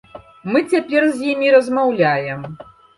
Мы цяпер з імі размаўляем.